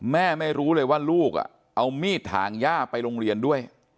ไม่รู้เลยว่าลูกเอามีดถางย่าไปโรงเรียนด้วย